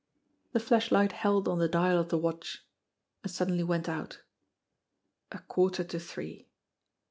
The flashlight held on the dial of the watch and suddenly went out. A quarter to three.